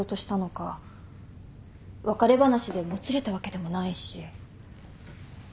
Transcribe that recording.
別れ話でもつれたわけでもないし。